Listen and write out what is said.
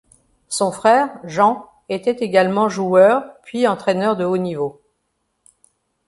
Son frère, Jean, était également joueur puis entraîneur de haut niveau.